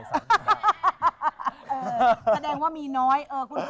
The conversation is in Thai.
แสดงว่ามีน้อย